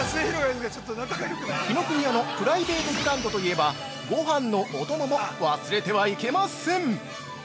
紀ノ国屋のプライベートブランドといえばご飯のお供も忘れてはいけません。